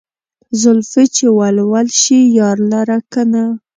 زلفې چې ول ول شي يار لره کنه